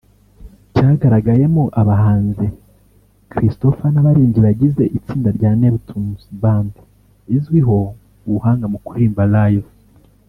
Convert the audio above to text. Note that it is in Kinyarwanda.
Cyagaragayemo abahanzi Christopher n’abaririmbyi bagize itsinda rya Neptunez Band izwiho ubuhanga mu kuririmba live